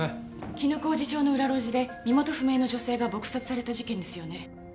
絹小路町の裏路地で身元不明の女性が撲殺された事件ですよね？